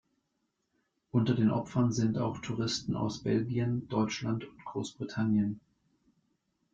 Unter den Opfern sind auch Touristen aus Belgien, Deutschland und Großbritannien.